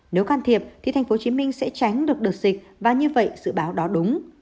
nếu can thiệp thì tp hcm sẽ tránh được đợt dịch và như vậy dự báo đó đúng